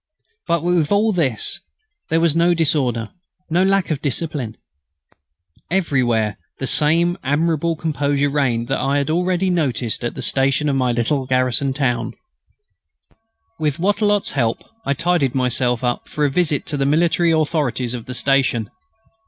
But, with all this, there was no disorder, no lack of discipline. Everywhere the same admirable composure reigned that I had already noticed at the station of my little garrison town. With Wattrelot's help, I tidied myself up for a visit to the military authorities of the station.